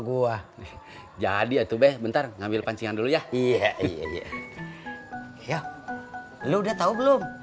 gua jadi itu deh bentar ngambil pancingan dulu ya iya iya iya ya lu udah tahu belum